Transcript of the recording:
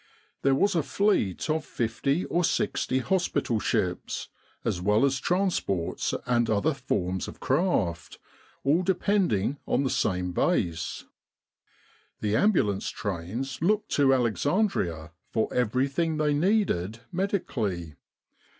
There was a fleet of 50 or 60 hospital ships, as well as transports and other forms of craft, all depending on the same Base. The ambulance trains looked to Alexandria for everything they needed medically.